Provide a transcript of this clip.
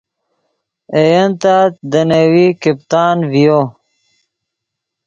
اے ین تت دے نیوی کیپتان ڤیو